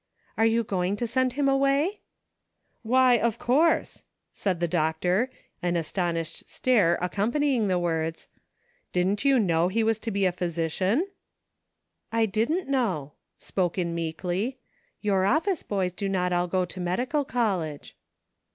'*■ Are you going to send him away ?" ••Why, of course," said the doctor, an aston "very much improved, 229 ished stare accompanying the words, " didn't you know he was to be a physician ?" "I didn't know," spoken meekly ; "your office boys do not all go to medical college."